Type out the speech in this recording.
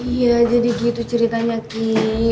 iya jadi gitu ceritanya ki